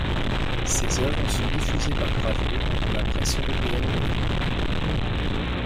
Ses œuvres sont diffusées par gravure dans la presse européenne de l'époque.